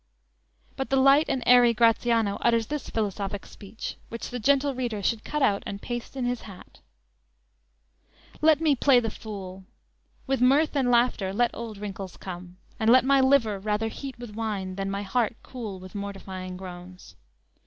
"_ But the light and airy Gratiano utters this philosophic speech, which the "gentle reader" should cut out and paste in his hat: _"Let me play the Fool; With mirth and laughter, let old wrinkles come; And let my liver rather heat with wine, Than my heart cool with mortifying groans.